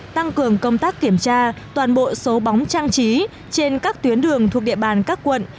tăng cường công tác kiểm tra toàn bộ số bóng trang trí trên các tuyến đường thuộc địa bàn các quận